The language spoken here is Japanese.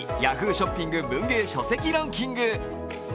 Ｙａｈｏｏ！ショッピング文芸書籍ランキング。